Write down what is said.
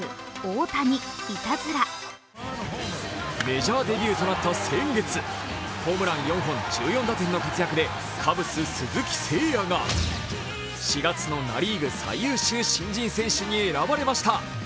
メジャーデビューとなった先月、ホームラン４本、１４打点の活躍でカブス・鈴木誠也が４月のナ・リーグ最優秀新人選手に選ばれました。